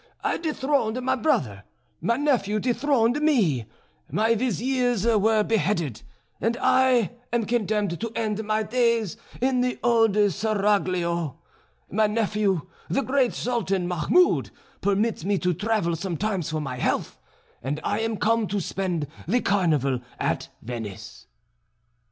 I dethroned my brother; my nephew dethroned me, my viziers were beheaded, and I am condemned to end my days in the old Seraglio. My nephew, the great Sultan Mahmoud, permits me to travel sometimes for my health, and I am come to spend the Carnival at Venice."